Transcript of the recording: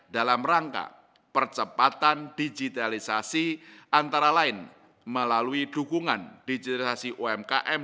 dalam rangka percepatan digitalisasi antara lain melalui dukungan digitalisasi umkm